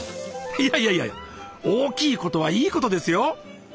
いやいやいや大きいことはいいことですよ。